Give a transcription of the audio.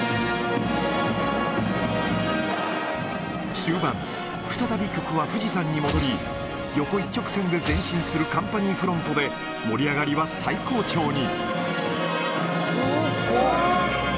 終盤、再び曲は富士山に戻り、横一直線で前進するカンパニーフロントで、盛り上がりは最高潮に。